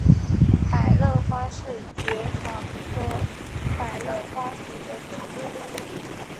百簕花是爵床科百簕花属的植物。